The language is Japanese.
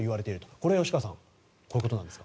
これは吉川さんこういうことなんですか？